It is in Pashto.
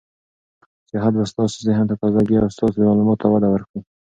سیاحت به ستاسو ذهن ته تازه ګي او ستاسو معلوماتو ته وده ورکړي.